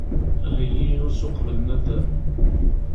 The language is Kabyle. Heggi usu uqbel naddam.